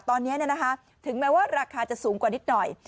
ตอนนี้ถึงแม้ว่าราคาจะสูงกว่านิดหน่อย